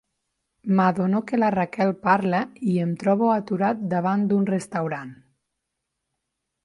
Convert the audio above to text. M'adono que la Raquel parla i em trobo aturat davant d'un restaurant.